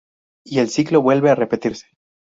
Y el ciclo vuelve a repetirse.